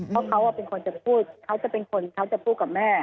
เพราะเขาเป็นคนจะพูดเขาจะเป็นคนเขาจะพูดกับแม่